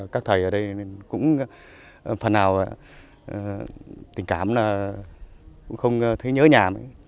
các thầy ở đây cũng phần nào tình cảm là không thấy nhớ nhà